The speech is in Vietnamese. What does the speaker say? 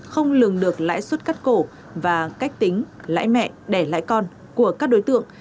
không lường được lãi suất cắt cổ và cách tính lãi mẹ đẻ lãi con của các đối tượng